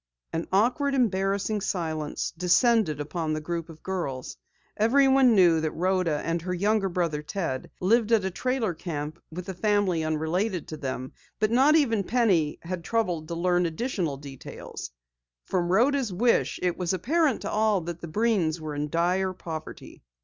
An awkward, embarrassing silence descended upon the group of girls. Everyone knew that Rhoda and her younger brother, Ted, lived at a trailer camp with a family unrelated to them, but not even Penny had troubled to learn additional details. From Rhoda's wish it was apparent to all that the Breens were in dire poverty.